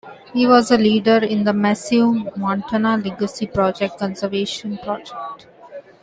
He was a leader in the massive Montana Legacy Project conservation project.